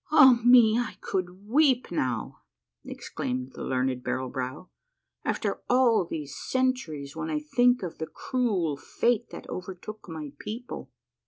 " Ah me, I could weep now," exclaimed the learned Barrel Brow, " after all these centuries, when I think of the cruel fate that overtook my people.